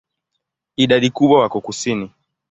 Idadi kubwa wako kusini.